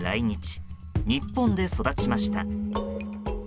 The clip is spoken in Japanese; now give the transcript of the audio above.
日本で育ちました。